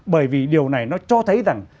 bởi vì điều này nó cho thấy rằng